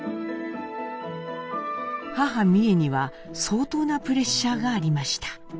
母美惠には相当なプレッシャーがありました。